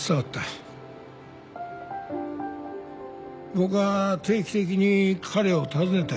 僕は定期的に彼を訪ねたよ。